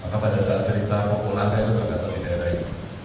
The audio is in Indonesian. maka pada saat cerita pokok langka itu mereka terlihat di daerah itu